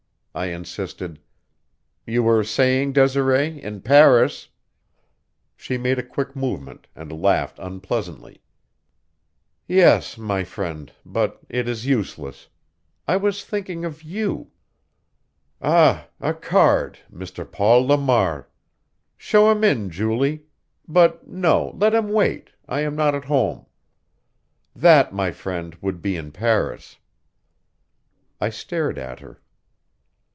I insisted: "You were saying, Desiree, in Paris " She made a quick movement and laughed unpleasantly. "Yes, my friend but it is useless. I was thinking of you. 'Ah! A card! Mr. Paul Lamar. Show him in, Julie. But no, let him wait I am not at home.' That, my friend, would be in Paris." I stared at her.